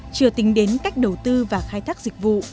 chưa tính đến cách đầu tư và khai thác dịch vụ